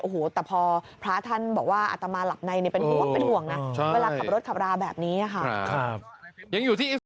โอ้โหแต่พอพระท่านบอกว่าอัตมาหลับในเป็นห่วงเป็นห่วงนะเวลาขับรถขับราแบบนี้ค่ะ